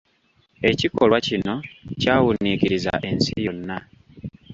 Ekikolwa kino kyawuniikiriza ensi yonna.